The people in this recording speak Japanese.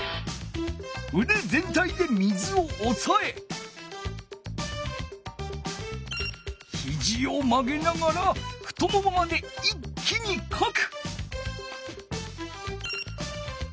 うで全体で水をおさえひじを曲げながら太ももまで一気にかく！